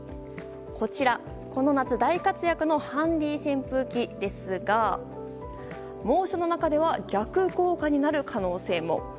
こちら、この夏大活躍のハンディー扇風機ですが猛暑の中では逆効果になる可能性も。